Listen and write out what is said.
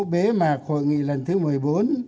bế mạc hội nghị lần thứ một mươi bốn